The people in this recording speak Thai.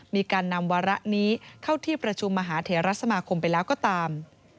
มีการนำวาระนี้เข้าที่ประชุมมหาเทรสมาคมไปแล้วก็ตาม